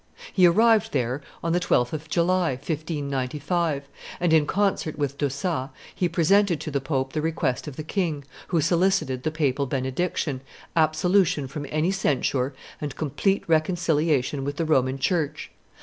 He arrived there on the 12th of July, 1595, and, in concert with D'Ossat, he presented to the pope the request of the king, who solicited the papal benediction, absolution from any censure, and complete reconciliation with the Roman church.